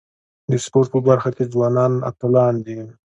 د سپورټ په برخه کي ځوانان اتلان دي.